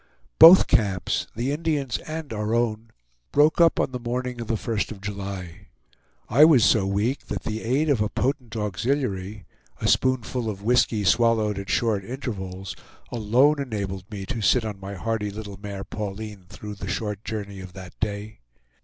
Both camps, the Indians' and our own, broke up on the morning of the 1st of July. I was so weak that the aid of a potent auxiliary, a spoonful of whisky swallowed at short intervals, alone enabled me to sit on my hardy little mare Pauline through the short journey of that day.